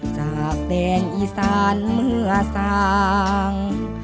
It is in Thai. จากแดนอีสานเมื่อสาง